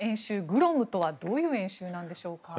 グロムとはどういう演習なんでしょうか。